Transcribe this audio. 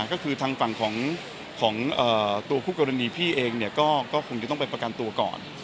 ก็คือทางฝั่งของตัวคู่กรณีพี่เองก็คงจะต้องไปประกันตัวก่อน